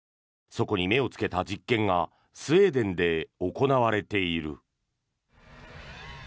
そこに目をつけた実験がスウェーデンで行われている。